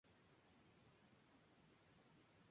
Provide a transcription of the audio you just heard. Se agrupan en bandos.